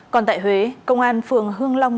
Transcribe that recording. còn tại huế công an phường hương long